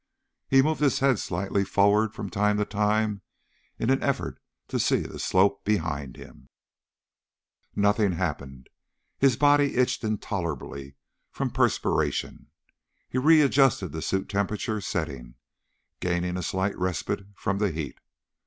He moved his head slightly forward from time to time in an effort to see the slope behind him. Nothing happened. His body itched intolerably from perspiration. He readjusted the suit temperature setting, gaining a slight respite from the heat.